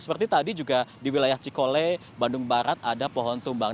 seperti tadi juga di wilayah cikole bandung barat ada pohon tumbang